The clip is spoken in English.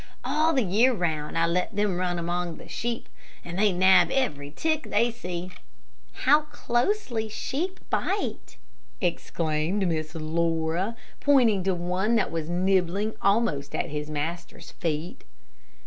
All the year round, I let them run among the sheep, and they nab every tick they see." "How closely sheep bite," exclaimed Miss Laura, pointing to one that was nibbling almost at his master's feet.